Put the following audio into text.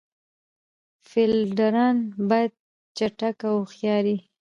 فیلډران باید چټک او هوښیار يي.